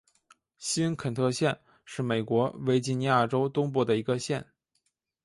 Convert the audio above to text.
新肯特县是美国维吉尼亚州东部的一个县。